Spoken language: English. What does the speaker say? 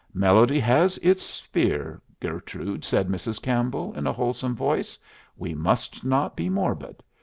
"Melody has its sphere, Gertrude," said Mrs. Campbell, in a wholesome voice. "We must not be morbid.